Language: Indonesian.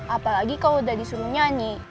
apalagi kalau udah disuruh nyanyi